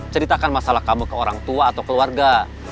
ceritakan masalah kamu ke orang tua atau keluarga